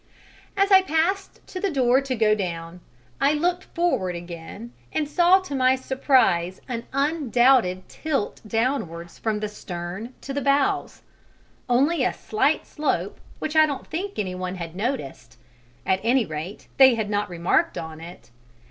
As I passed to the door to go down, I looked forward again and saw to my surprise an undoubted tilt downwards from the stern to the bows: only a slight slope, which I don't think any one had noticed, at any rate, they had not remarked on it.